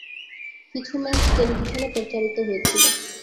কিছু ম্যাচ টেলিভিশনে প্রচারিত হয়েছিল।